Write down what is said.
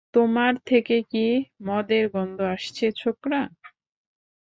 তোমার থেকে কি মদের গন্ধ আসছে, ছোকরা?